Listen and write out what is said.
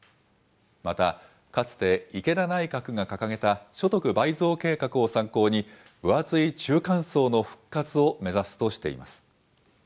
また、かつて池田内閣が掲げた、所得倍増計画を参考に、分厚い中間層の復活を目指すとしています。